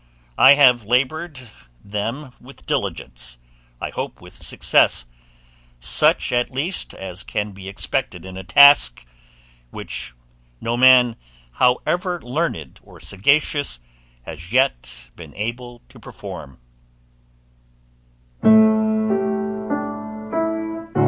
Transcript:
I have laboured them with diligence, I hope with success; such at least as can be expected in a task, which no man, however learned or sagacious, has yet been able to perform.